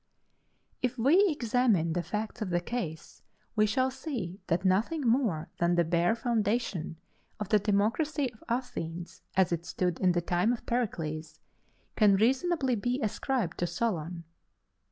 If we examine the facts of the case, we shall see that nothing more than the bare foundation of the democracy of Athens as it stood in the time of Pericles can reasonably be ascribed to Solon.